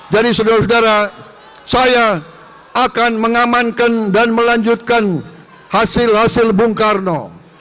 jadi saudara saudara saya akan mengamankan dan melanjutkan hasil hasil bung karno